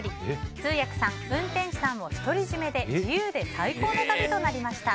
通訳さん、運転手さんも独り占めで自由で最高の旅となりました。